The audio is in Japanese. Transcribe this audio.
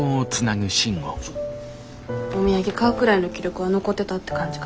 お土産買うくらいの気力は残ってたって感じかな。